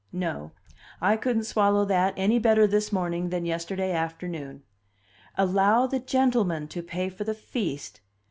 No; I couldn't swallow that any better this morning than yesterday afternoon! Allow the gentleman to pay for the feast!